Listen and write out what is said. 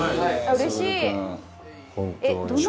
うれしい！